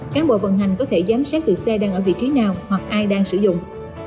cán bộ vận hành có thể giám sát từ xe đang ở vị trí nào hoặc ai đang sử dụng